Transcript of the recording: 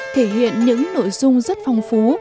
thể hiện những nội dung rất phong phú